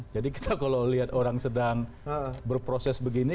kita kalau lihat orang sedang berproses begini